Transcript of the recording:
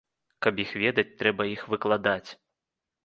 Каб іх ведаць, трэба іх выкладаць.